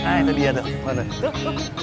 nah itu dia tuh